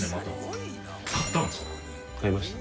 買いました。